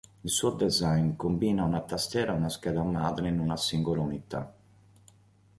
Il suo design combina una tastiera ed una scheda madre in una singola unità.